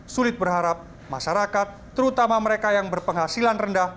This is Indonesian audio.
sulit berharap masyarakat terutama mereka yang berpenghasilan rendah